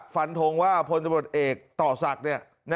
ฟันทงว่าพลตำรวจเอกต่อศักดิ์